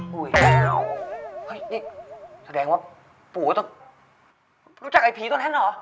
เฮ้ยนี่แสดงว่าปูรู้จักไอ้ผีตัวเนี้ยเหรอ